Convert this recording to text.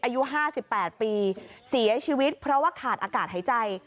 อายุ๕๘ปีเสียชีวิตเพราะว่าขาดอากาศหายใจ